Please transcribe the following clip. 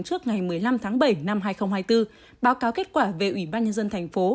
trước ngày một mươi năm tháng bảy năm hai nghìn hai mươi bốn báo cáo kết quả về ủy ban nhân dân thành phố